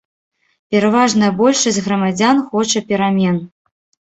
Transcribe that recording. Пераважная большасць грамадзян хоча перамен.